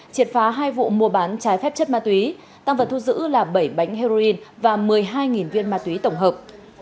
triệt phá hai vụ mua bán trái phép chất ma túy tăng vật thu giữ là bảy bánh heroin và một mươi hai viên ma túy tổng hợp